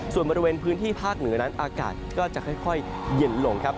ส่วนบริเวณพื้นที่ภาคเหนือนั้นอากาศก็จะค่อยเย็นลงครับ